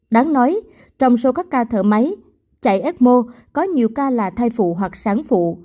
đáng nói trong số các ca thở máy chạy ecmo có nhiều ca là thai phụ hoặc sáng phụ